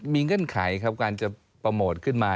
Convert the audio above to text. มีเงื่อนไขครับการจะโปรโมทขึ้นมา